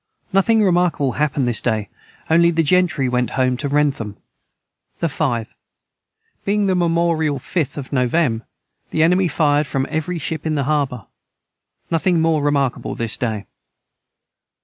Nothing remarkable hapned this day onely the gentry went home to Wrentham. the 5. Being the memorial 5th of novem. the enemy fired from every Ship in the harbour nothing more remarkable this day.